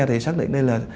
thì xác định đây là